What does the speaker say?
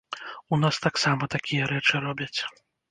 У нас таксама такія рэчы робяць.